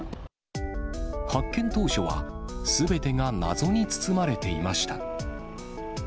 発見当初は、すべてが謎に包まれていました。